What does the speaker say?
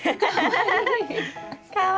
かわいい。